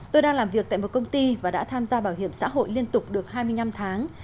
tôi đang làm việc tại một công ty và đã tham gia bảo hiểm xã hội liên tục được hai mươi năm tháng